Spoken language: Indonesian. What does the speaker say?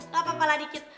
gapapa lah dikit